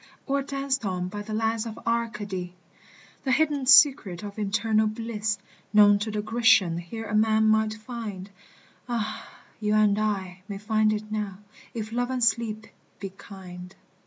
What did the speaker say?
Or danced on by the lads of Arcady ! The hidden secret of eternal bliss Known to the Grecian here a man might find, Ah ! you and I may find it now if Love and Sleep be kind.